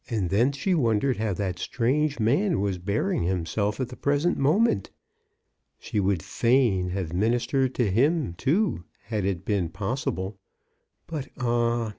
len she wondered how that strange man was bear ing himself at the present mo ment. She would f a i n hj^ have minis ESb tered to him too had it been possi ble ; but, ah